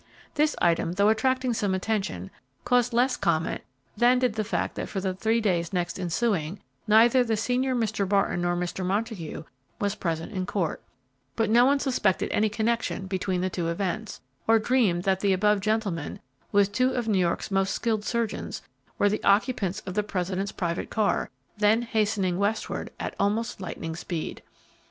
This item, though attracting some attention, caused less comment than did the fact that for the three days next ensuing, neither the senior Mr. Barton nor Mr. Montague was present in court; but no one suspected any connection between the two events, or dreamed that the above gentlemen, with two of New York's most skilled surgeons, were the occupants of the president's private car, then hastening westward at almost lightning speed.